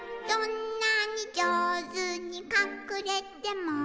「どんなにじょうずにかくれても」